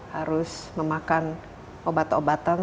harus memakan obat obatan